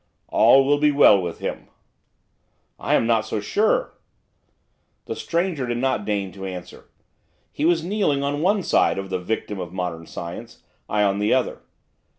'All will be well with him.' 'I am not so sure.' The stranger did not deign to answer. He was kneeling on one side of the victim of modern science, I on the other.